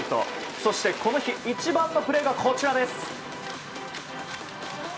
そしてこの日一番のプレーがこちらです。